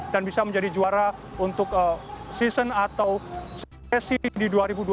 dan bisa menjadi juara untuk season atau season di dua ribu dua puluh dua ribu dua puluh satu